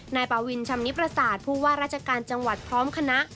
นายปาวินชำนิประสาทผู้ว่าราชการจังหวัดพร้อมคณะ